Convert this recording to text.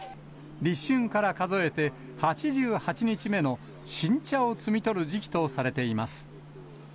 立春から数えて８８日目の新茶を摘み取る時期とされています。